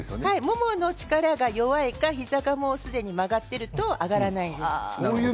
ももの力が弱いか、膝がすでに曲がっていると上がらないです。